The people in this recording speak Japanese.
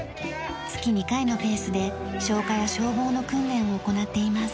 月２回のペースで消火や消防の訓練を行っています。